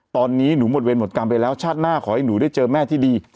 ตอนนี้หนูหมดเวรหมดกรรมไปแล้วชาติหน้าขอให้หนูได้เจอแม่ที่ดี